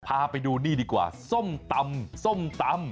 พาไปดูนี่ดีกว่าส้มตำ